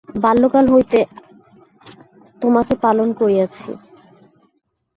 বাল্যকাল হইতে তোমাকে পালন করিয়াছি।